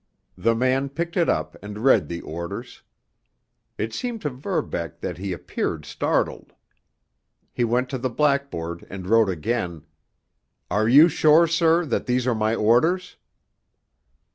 The man picked it up and read the orders. It seemed to Verbeck that he appeared startled. He went to the blackboard and wrote again: "Are you sure, sir, that these are my orders?"